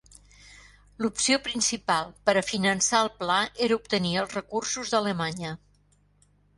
L'opció principal per a finançar el Pla era obtenir els recursos d'Alemanya.